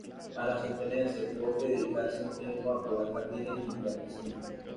Para sostenerse tuvo que dedicarse un tiempo a podar jardines y limpiar piscinas.